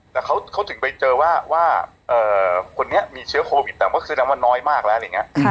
แต่เขาถึงไปเจอว่าคนนี้มีเชื้อโควิดแต่น้อยมากแล้ว